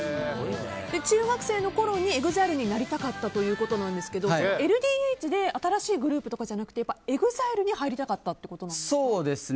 中学生のころにＥＸＩＬＥになりたかったそうですがＬＤＨで新しいグループとかじゃなくてＥＸＩＬＥに入りたかったということですか？